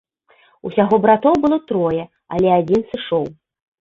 Усяго братоў было трое, але адзін сышоў.